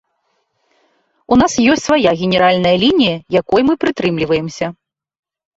У нас ёсць свая генеральная лінія, якой мы прытрымліваемся.